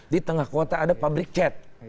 di tengah kota ada pabrik cat